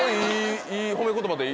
いい褒め言葉で？